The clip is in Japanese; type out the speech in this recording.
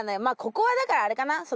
まあここはだからあれかな？